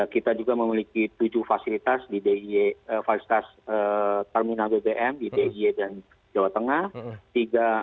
kita juga memiliki tujuh fasilitas di dia fasilitas terminal bbm di dia dan jawa tengah